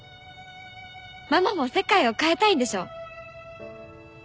ママも世界を変えたいんでしょ？